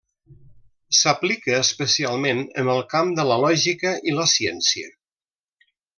S'aplica especialment en el camp de la lògica i la ciència.